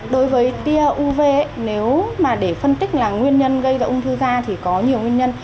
đối với tia uv nếu mà để phân tích là nguyên nhân gây ra ung thư da thì có nhiều nguyên nhân